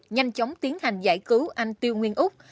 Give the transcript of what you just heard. nhanh chóng tiến hành giải cứu anh tiêu nguyên úc